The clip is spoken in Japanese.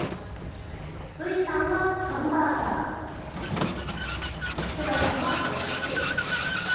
Ｖさんはハンバーガー、ＳＵＧＡさんは、おすし。